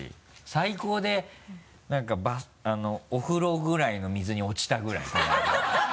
最高で何かお風呂ぐらいの水に落ちたぐらいこのあいだ。